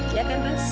iya kan ris